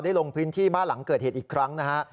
ลงพื้นที่บ้านหลังเกิดเหตุอีกครั้งนะฮะ